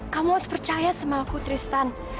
kamu harus percaya sama aku tristan